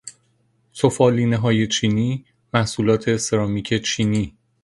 سفالینههای چینی، محصولات سرامیک چینی